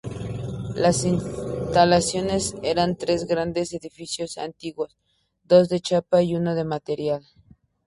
Las instalaciones era tres grandes edificios antiguos, dos de chapa y uno de material.